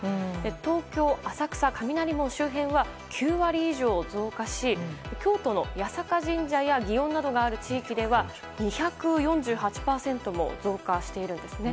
東京・浅草雷門周辺は９割以上増加し京都の八坂神社や祇園などがある地域では２４８％も増加しているんです。